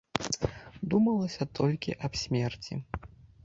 Думалася толькі аб смерці.